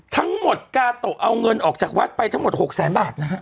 ทั้งหมดกาโตะเอาเงินออกจากวัดไปทั้งหมด๖แสนบาทนะฮะ